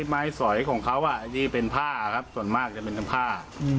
ไม้สอยของเขาที่เป็นผ้าครับส่วนมากจะเป็นผ้า